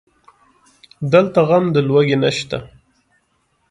دلته غم د لوږې نشته